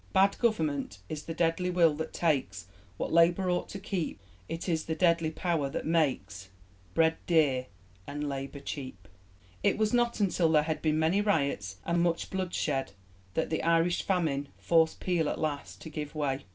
Bad government Is the deadly will that takes What Labour ought to keep, It is the deadly power that makes Bread dear and Labour cheap. It was not until there had been many riots and much bloodshed that the Irish Famine forced Peel at last to give way.